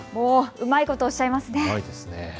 うまいことをおっしゃいますね。